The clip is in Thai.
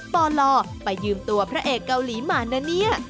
ปลไปยืมตัวพระเอกเกาหลีมานะเนี่ย